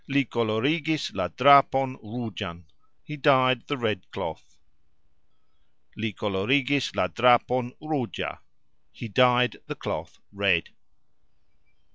Li kolorigis la drapon rugxan. He dyed the red cloth. Li kolorigis la drapon rugxa. He dyed the cloth red.